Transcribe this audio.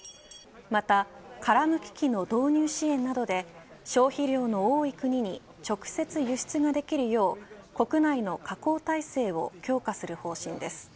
また殻むき機の導入支援などで消費量の多い国に、直接輸出ができるよう、国内の加工体制を強化する方針です。